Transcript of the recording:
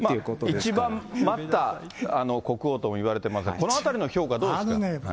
一番待った国王ともいわれてますが、このあたりの評価、どうですか？